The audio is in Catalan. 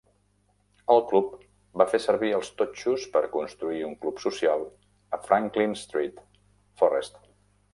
El club va fer servir els totxos per construir un club social a Franklin Street, Forrest.